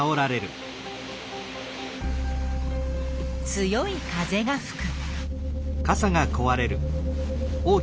強い風がふく。